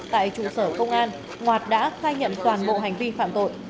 tại trụ sở công an ngoạt đã khai nhận toàn bộ hành vi phạm tội